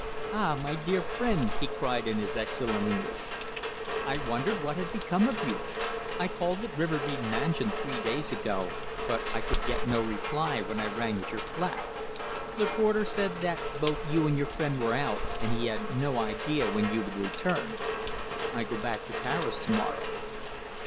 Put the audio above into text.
"Ah, my dear friend!" he cried in his excellent English. "I wondered what had become of you. I called at Rivermead Mansions three days ago, but I could get no reply when I rang at your flat. The porter said that both you and your friend were out, and he had no idea when you would return. I go back to Paris to morrow."